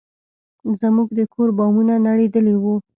زموږ د کور بامونه نړېدلي وو.